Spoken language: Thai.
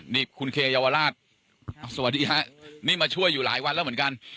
นี่คุณเคเยาวราชสวัสดีฮะนี่มาช่วยอยู่หลายวันแล้วเหมือนกัน